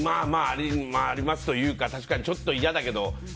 ありますというか確かにちょっと嫌だけど。